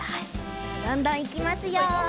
じゃどんどんいきますよ！